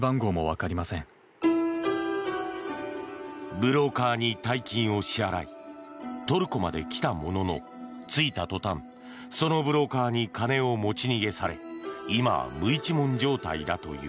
ブローカーに大金を支払いトルコまで来たものの着いた途端、そのブローカーに金を持ち逃げされ今は無一文状態だという。